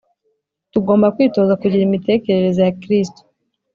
tugomba kwitoza kugira imitekerereze ya kristo